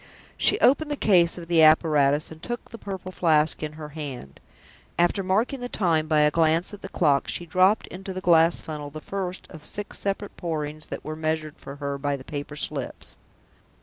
She opened the case of the apparatus and took the Purple Flask in her hand. After marking the time by a glance at the clock, she dropped into the glass funnel the first of the six separate Pourings that were measured for her by the paper slips.